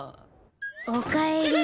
おかえり。